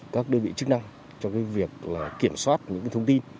các đơn vị chức năng cho cái việc kiểm soát những thông tin